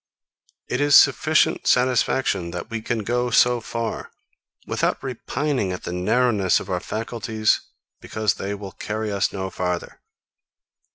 It is sufficient satisfaction, that we can go so far, without repining at the narrowness of our faculties because they will carry us no farther.